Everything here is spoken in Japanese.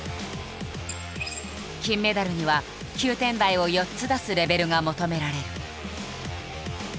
金メダルには９点台を４つ出すレベルが求められる。